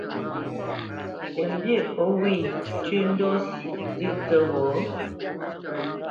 Tə mbî o wê tʉ́ ndɔ́ sǐʼ ntsə́ tsə́ghō?